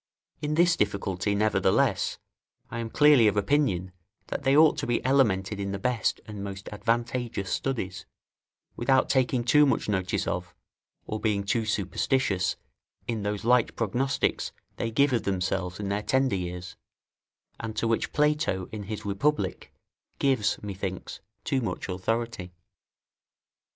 In this difficulty, nevertheless, I am clearly of opinion, that they ought to be elemented in the best and most advantageous studies, without taking too much notice of, or being too superstitious in those light prognostics they give of themselves in their tender years, and to which Plato, in his Republic, gives, methinks, too much authority.